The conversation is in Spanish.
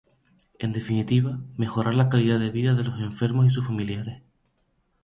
En definitiva, mejorar la calidad de vida de los enfermos y sus familiares.